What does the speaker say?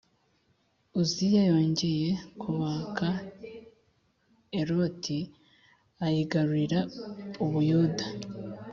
Uziya yongeye kubaka Eloti u ayigarurira u Buyuda